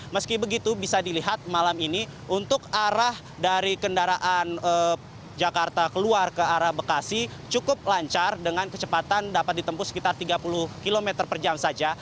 meski begitu bisa dilihat malam ini untuk arah dari kendaraan jakarta keluar ke arah bekasi cukup lancar dengan kecepatan dapat ditempuh sekitar tiga puluh km per jam saja